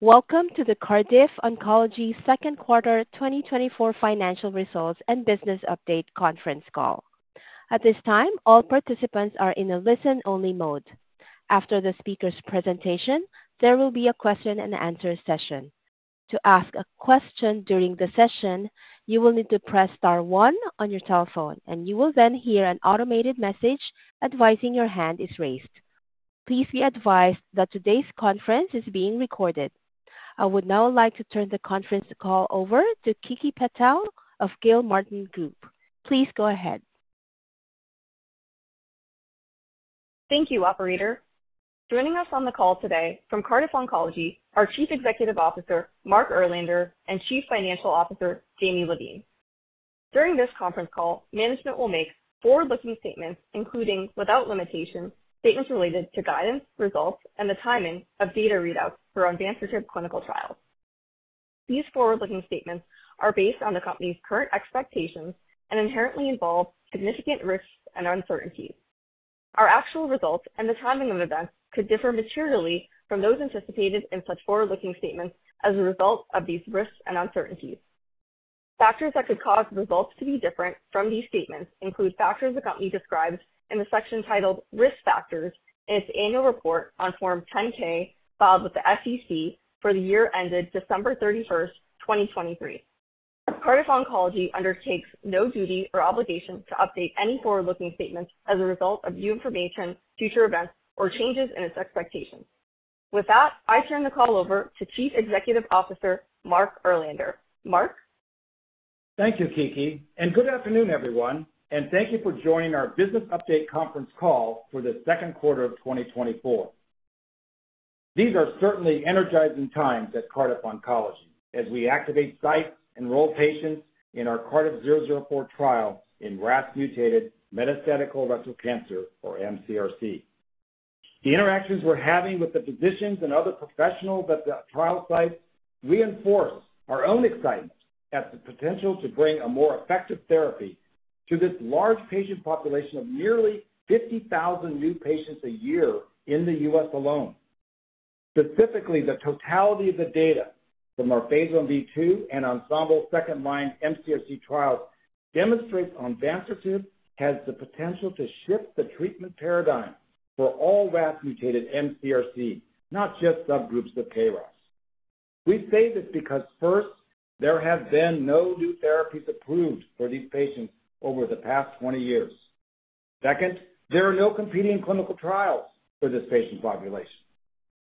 Welcome to the Cardiff Oncology Second Quarter 2024 Financial Results and Business Update Conference Call. At this time, all participants are in a listen-only mode. After the speaker's presentation, there will be a question and answer session. To ask a question during the session, you will need to press star one on your telephone, and you will then hear an automated message advising your hand is raised. Please be advised that today's conference is being recorded. I would now like to turn the conference call over to Kiki Patel of Gilmartin Group. Please go ahead. Thank you, operator. Joining us on the call today from Cardiff Oncology, our Chief Executive Officer, Mark Erlander, and Chief Financial Officer, Jamie Levine. During this conference call, management will make forward-looking statements, including, without limitation, statements related to guidance, results, and the timing of data readouts for Onvansertib clinical trials. These forward-looking statements are based on the company's current expectations and inherently involve significant risks and uncertainties. Our actual results and the timing of events could differ materially from those anticipated in such forward-looking statements as a result of these risks and uncertainties. Factors that could cause results to be different from these statements include factors the company describes in the section titled Risk Factors in its annual report on Form 10-K, filed with the SEC for the year ended December 31, 2023. Cardiff Oncology undertakes no duty or obligation to update any forward-looking statements as a result of new information, future events, or changes in its expectations. With that, I turn the call over to Chief Executive Officer, Mark Erlander. Mark? Thank you, Kiki, and good afternoon, everyone, and thank you for joining our business update conference call for the second quarter of 2024. These are certainly energizing times at Cardiff Oncology as we activate sites, enroll patients in our Cardiff-004 trial in RAS-mutated metastatic colorectal cancer, or mCRC. The interactions we're having with the physicians and other professionals at the trial site reinforce our own excitement at the potential to bring a more effective therapy to this large patient population of nearly 50,000 new patients a year in the U.S. alone. Specifically, the totality of the data from our phase 1b/2 and Ensemble second-line mCRC trials demonstrates Onvansertib has the potential to shift the treatment paradigm for all RAS-mutated mCRC, not just subgroups of KRAS. We say this because, first, there have been no new therapies approved for these patients over the past 20 years. Second, there are no competing clinical trials for this patient population.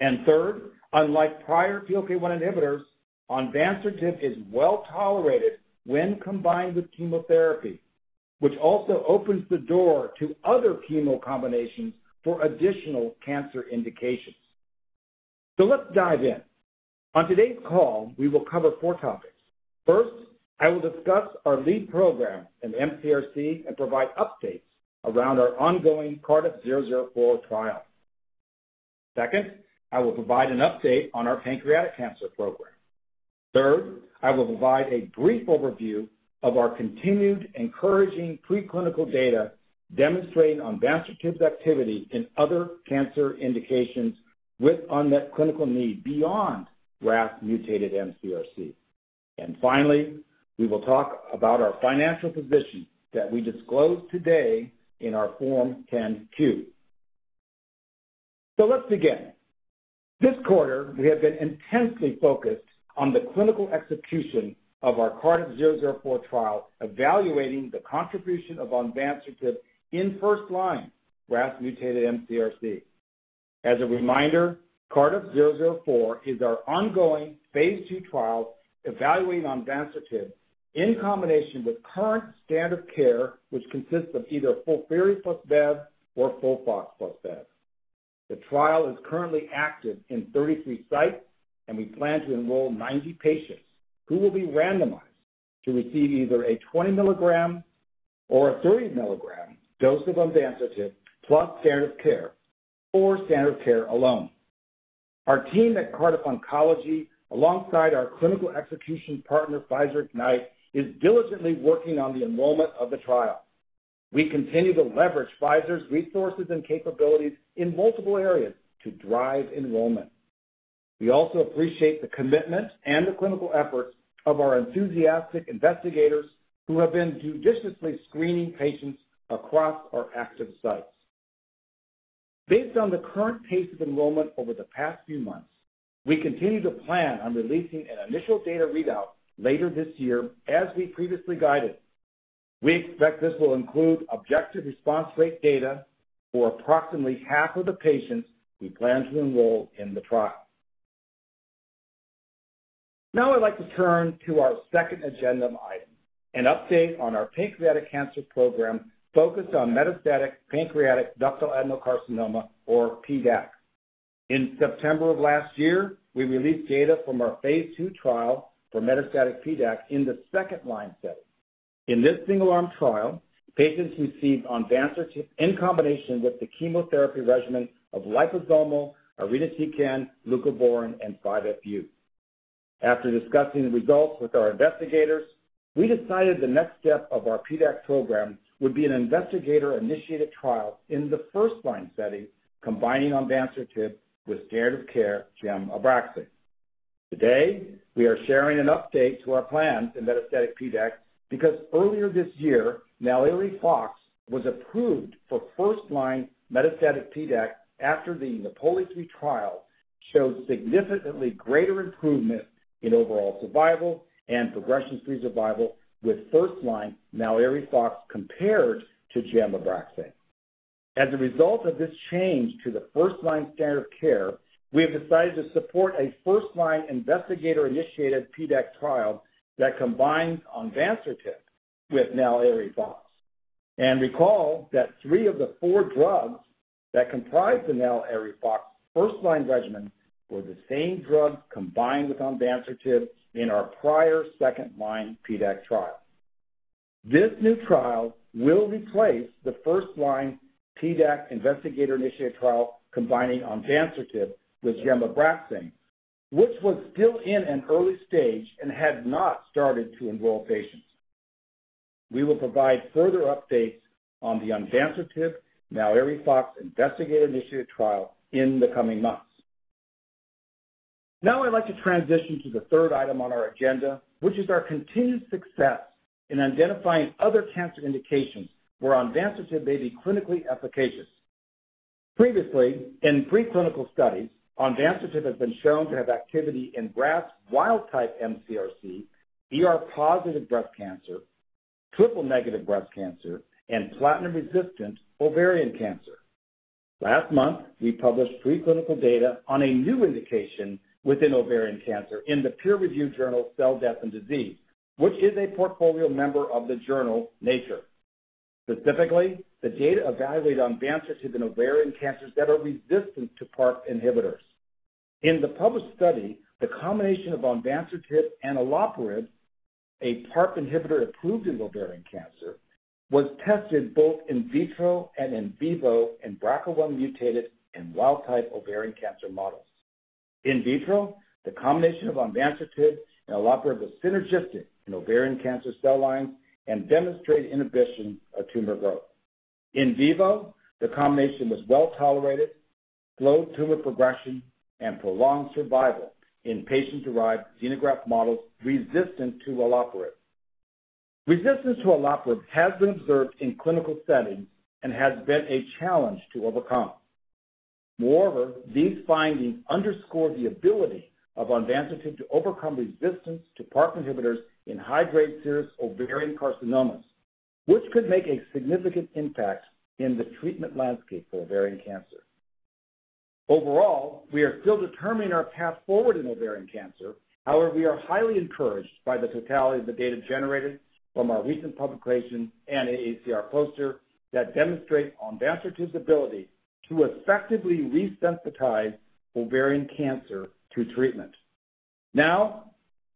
And third, unlike prior PLK1 inhibitors, Onvansertib is well tolerated when combined with chemotherapy, which also opens the door to other chemo combinations for additional cancer indications. So let's dive in. On today's call, we will cover 4 topics. First, I will discuss our lead program in mCRC and provide updates around our ongoing Cardiff-004 trial. Second, I will provide an update on our pancreatic cancer program. Third, I will provide a brief overview of our continued encouraging preclinical data, demonstrating Onvansertib activity in other cancer indications with unmet clinical need beyond RAS-mutated mCRC. And finally, we will talk about our financial position that we disclosed today in our Form 10-Q. So let's begin. This quarter, we have been intensely focused on the clinical execution of our Cardiff-004 trial, evaluating the contribution of Onvansertib in first-line RAS-mutated mCRC. As a reminder, Cardiff-004 is our ongoing phase 2 trial evaluating Onvansertib in combination with current standard care, which consists of either FOLFIRI plus bev or FOLFOX plus bev. The trial is currently active in 33 sites, and we plan to enroll 90 patients who will be randomized to receive either a 20-milligram or a 30-milligram dose of Onvansertib plus standard care or standard care alone. Our team at Cardiff Oncology, alongside our clinical execution partner, Pfizer Ignite, is diligently working on the enrollment of the trial. We continue to leverage Pfizer's resources and capabilities in multiple areas to drive enrollment. We also appreciate the commitment and the clinical efforts of our enthusiastic investigators, who have been judiciously screening patients across our active sites. Based on the current pace of enrollment over the past few months, we continue to plan on releasing an initial data readout later this year, as we previously guided. We expect this will include objective response rate data for approximately half of the patients we plan to enroll in the trial. Now I'd like to turn to our second agenda item, an update on our pancreatic cancer program focused on metastatic pancreatic ductal adenocarcinoma, or PDAC. In September of last year, we released data from our phase 2 trial for metastatic PDAC in the second-line setting. In this single-arm trial, patients received Onvansertib in combination with the chemotherapy regimen of Liposomal Irinotecan, Leucovorin, and 5-FU. After discussing the results with our investigators, we decided the next step of our PDAC program would be an investigator-initiated trial in the first-line setting, combining Onvansertib with standard of care Gem + ABRAXANE. Today, we are sharing an update to our plans in metastatic PDAC because earlier this year, NALIRIFOX was approved for first-line metastatic PDAC after the NAPOLI 3 trial showed significantly greater improvement in overall survival and progression-free survival with first-line NALIRIFOX compared to gem + ABRAXANE. As a result of this change to the first-line standard of care, we have decided to support a first-line investigator-initiated PDAC trial that combines Onvansertib with NALIRIFOX. And recall that three of the four drugs that comprise the NALIRIFOX first-line regimen were the same drugs combined with Onvansertib in our prior second-line PDAC trial. This new trial will replace the first-line PDAC investigator-initiated trial combining Onvansertib with Gemcitabine and ABRAXANE, which was still in an early stage and had not started to enroll patients. We will provide further updates on the Onvansertib NALIRIFOX investigator-initiated trial in the coming months. Now, I'd like to transition to the third item on our agenda, which is our continued success in identifying other cancer indications where Onvansertib may be clinically efficacious. Previously, in preclinical studies, Onvansertib has been shown to have activity in BRAF wild-type mCRC, ER-positive breast cancer, triple-negative breast cancer, and platinum-resistant ovarian cancer. Last month, we published preclinical data on a new indication within ovarian cancer in the peer-reviewed journal, Cell Death and Disease, which is a portfolio member of the journal Nature. Specifically, the data evaluated Onvansertib in ovarian cancers that are resistant to PARP inhibitors. In the published study, the combination of Onvansertib and Olaparib, a PARP inhibitor approved in ovarian cancer, was tested both in vitro and in vivo in BRCA1-mutated and wild-type ovarian cancer models. In vitro, the combination of Onvansertib and Olaparib was synergistic in ovarian cancer cell lines and demonstrated inhibition of tumor growth. In vivo, the combination was well tolerated, slowed tumor progression, and prolonged survival in patient-derived xenograft models resistant to Olaparib. Resistance to Olaparib has been observed in clinical settings and has been a challenge to overcome. Moreover, these findings underscore the ability of Onvansertib to overcome resistance to PARP inhibitors in high-grade serous ovarian carcinomas, which could make a significant impact in the treatment landscape for ovarian cancer. Overall, we are still determining our path forward in ovarian cancer. However, we are highly encouraged by the totality of the data generated from our recent publication and AACR poster that demonstrate Onvansertib ability to effectively resensitize ovarian cancer to treatment. Now,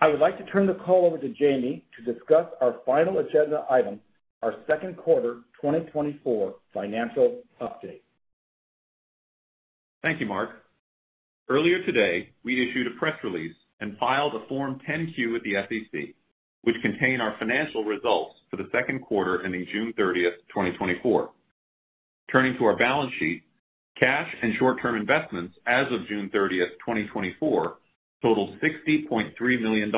I would like to turn the call over to Jamie to discuss our final agenda item, our second quarter 2024 financial update. Thank you, Mark. Earlier today, we issued a press release and filed a Form 10-Q with the SEC, which contain our financial results for the second quarter ending June 30, 2024. Turning to our balance sheet, cash and short-term investments as of June 30, 2024 totaled $60.3 million,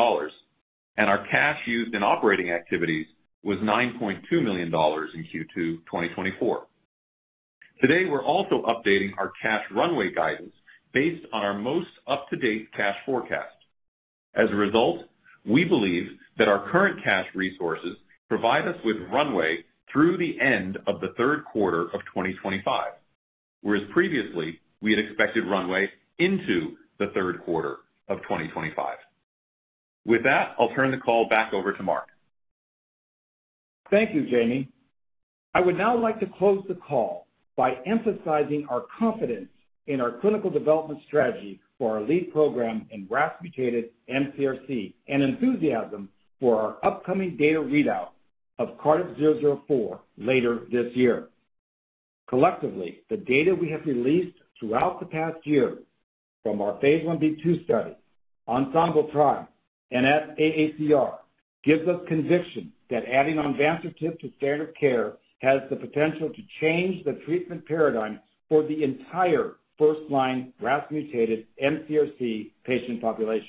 and our cash used in operating activities was $9.2 million in Q2 2024. Today, we're also updating our cash runway guidance based on our most up-to-date cash forecast. As a result, we believe that our current cash resources provide us with runway through the end of the third quarter of 2025, whereas previously, we had expected runway into the third quarter of 2025. With that, I'll turn the call back over to Mark. Thank you, Jamie. I would now like to close the call by emphasizing our confidence in our clinical development strategy for our lead program in RAS-mutated mCRC, and enthusiasm for our upcoming data readout of CRDF-004 later this year. Collectively, the data we have released throughout the past year from our Phase 1b/2 study, Ensemble trial, and at AACR, gives us conviction that adding Onvansertib to standard of care has the potential to change the treatment paradigm for the entire first-line RAS-mutated mCRC patient population.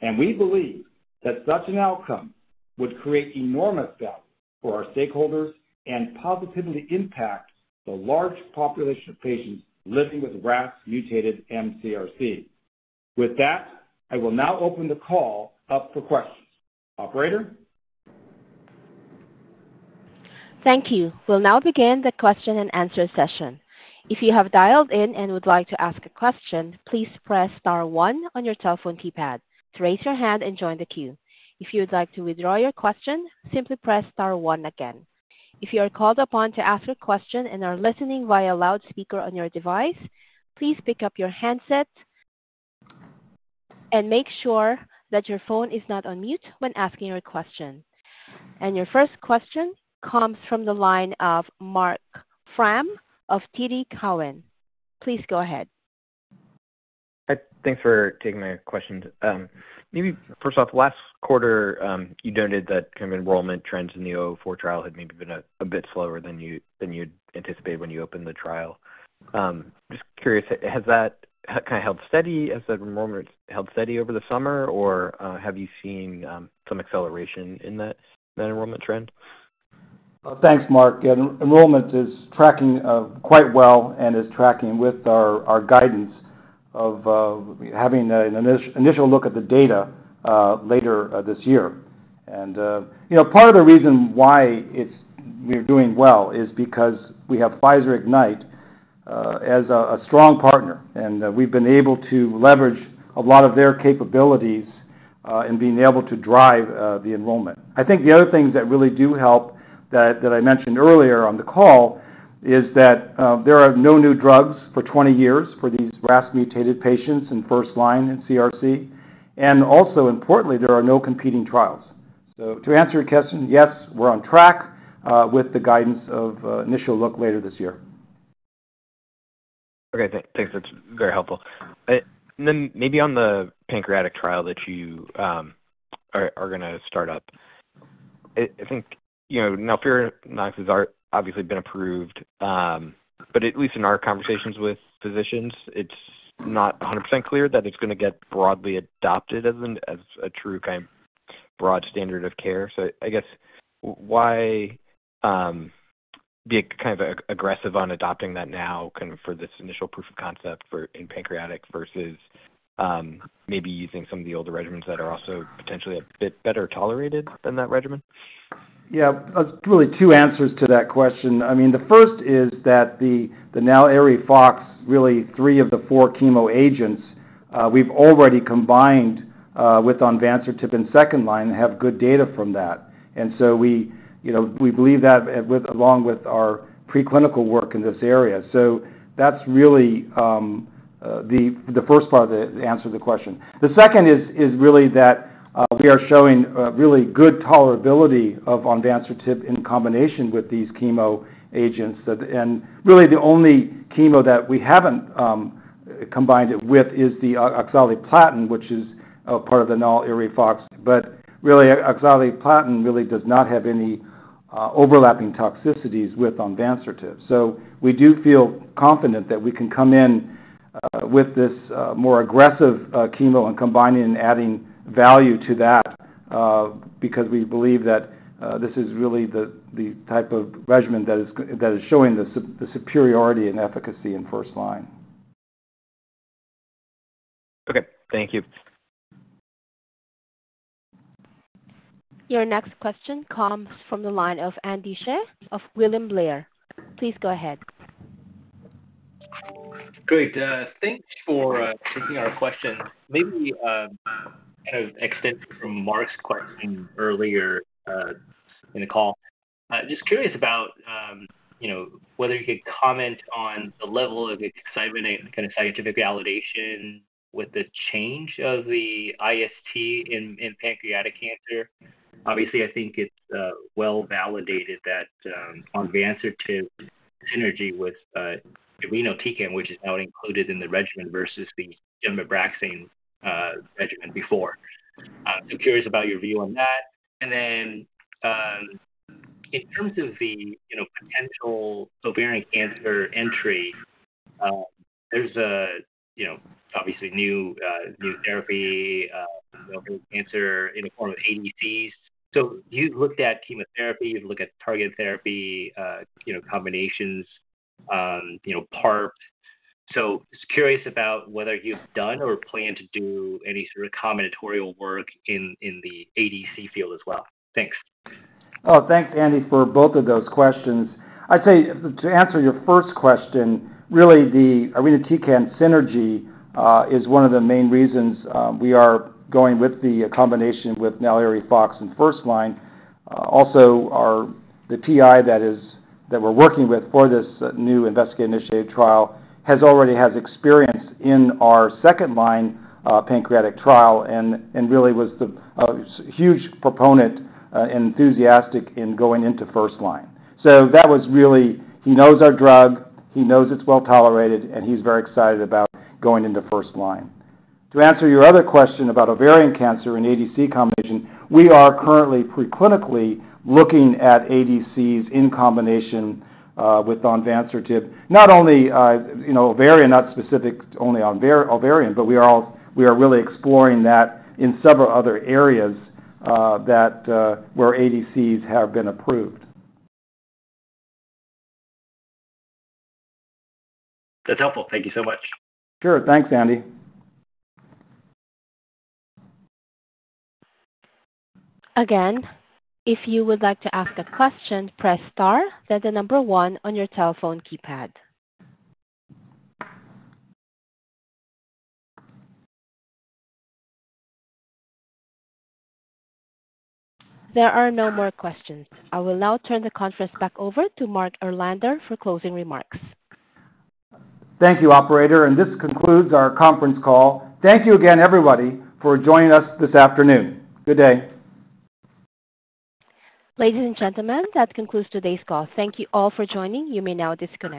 And we believe that such an outcome would create enormous value for our stakeholders and positively impact the large population of patients living with RAS-mutated mCRC. With that, I will now open the call up for questions. Operator? Thank you. We'll now begin the question and answer session. If you have dialed in and would like to ask a question, please press star one on your telephone keypad to raise your hand and join the queue. If you would like to withdraw your question, simply press star one again. If you are called upon to ask a question and are listening via loudspeaker on your device, please pick up your handset and make sure that your phone is not on mute when asking your question. And your first question comes from the line of Marc Frahm of TD Cowen. Please go ahead. Hi, thanks for taking my question. Maybe first off, last quarter, you noted that kind of enrollment trends in the zero four trial had maybe been a bit slower than you'd anticipated when you opened the trial. Just curious, has that kind of held steady? Has that enrollment held steady over the summer, or have you seen some acceleration in that enrollment trend? Well, thanks, Mark. Enrollment is tracking quite well and is tracking with our guidance of having an initial look at the data later this year. And, you know, part of the reason why it's we're doing well is because we have Pfizer Ignite as a strong partner, and we've been able to leverage a lot of their capabilities in being able to drive the enrollment. I think the other things that really do help that I mentioned earlier on the call is that there are no new drugs for 20 years for these RAS-mutated patients in first line in CRC, and also importantly, there are no competing trials. So to answer your question, yes, we're on track with the guidance of initial look later this year. Okay, thanks. That's very helpful. Then maybe on the pancreatic trial that you are gonna start up. I think, you know, now NALIRIFOX has obviously been approved, but at least in our conversations with physicians, it's not 100% clear that it's gonna get broadly adopted as a true kind, broad standard of care. So I guess why be kind of aggressive on adopting that now, kind of for this initial proof of concept for in pancreatic versus maybe using some of the older regimens that are also potentially a bit better tolerated than that regimen? Yeah, really two answers to that question. I mean, the first is that the NALIRIFOX, really, three of the four chemo agents, we've already combined with Onvansertib in second line and have good data from that. And so we, you know, we believe that, with, along with our preclinical work in this area. So that's really the first part of the answer to the question. The second is really that we are showing really good tolerability of Onvansertib in combination with these chemo agents. That. And really, the only chemo that we haven't combined it with is the oxaliplatin, which is part of the NALIRIFOX. But really, oxaliplatin really does not have any overlapping toxicities with Onvansertib. So we do feel confident that we can come in with this more aggressive chemo and combining and adding value to that, because we believe that this is really the type of regimen that is showing the superiority and efficacy in first line. Okay, thank you. Your next question comes from the line of Andy Hsieh of William Blair. Please go ahead. Great, thanks for taking our question. Maybe, kind of extend from Mark's question earlier, in the call. I'm just curious about, you know, whether you could comment on the level of excitement and kind of scientific validation with the change of the IST in, in pancreatic cancer. Obviously, I think it's, well-validated that, Onvansertib synergy with, irinotecan, which is now included in the regimen versus the gemcitabine, regimen before. So curious about your view on that. And then, in terms of the, you know, potential ovarian cancer entry, there's a, you know, obviously new, new therapy, ovarian cancer in the form of ADCs. So you've looked at chemotherapy. You've looked at targeted therapy, you know, combinations, you know, PARP. Just curious about whether you've done or plan to do any sort of combinatorial work in the ADC field as well? Thanks. Oh, thanks, Andy, for both of those questions. I'd say to answer your first question, really, the irinotecan synergy is one of the main reasons we are going with the combination with NALIRIFOX in first line. Also, the PI that is, that we're working with for this new investigator-initiated trial has already experience in our second-line pancreatic trial and really was a huge proponent and enthusiastic in going into first line. So that was really. He knows our drug, he knows it's well-tolerated, and he's very excited about going into first line. To answer your other question about ovarian cancer and ADC combination, we are currently preclinically looking at ADCs in combination with Onvansertib, not only, you know, ovarian, not specific only to ovarian, but we are really exploring that in several other areas where ADCs have been approved. That's helpful. Thank you so much. Sure. Thanks, Andy. Again, if you would like to ask a question, press star, then the number one on your telephone keypad. There are no more questions. I will now turn the conference back over to Mark Erlander for closing remarks. Thank you, operator, and this concludes our conference call. Thank you again, everybody, for joining us this afternoon. Good day. Ladies and gentlemen, that concludes today's call. Thank you all for joining. You may now disconnect.